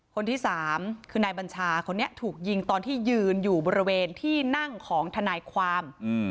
คนที่สามคือนายบัญชาคนนี้ถูกยิงตอนที่ยืนอยู่บริเวณที่นั่งของทนายความ